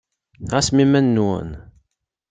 Ɛasem iman-nwen.